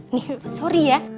nih sorry ya